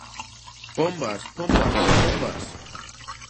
¡Pombas, pombas, pombas!